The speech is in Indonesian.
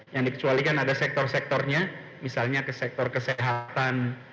yang dikecualikan ada sektor sektornya misalnya ke sektor kesehatan